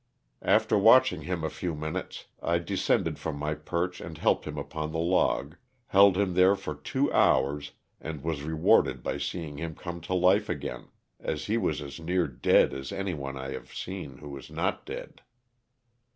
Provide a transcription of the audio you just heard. After watching him a few minutes I descended from my perch and helped him upon the log, held him there for two hours, and was rewarded by seeing him come to life again, as he was as near dead as any one I have seen who was not dead.